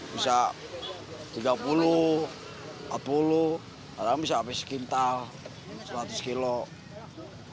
banyak kan yang beli bisa rp tiga puluh rp empat puluh kadang bisa habis kental seratus kg